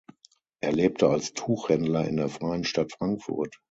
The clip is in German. Er lebte als Tuchhändler in der Freien Stadt Frankfurt.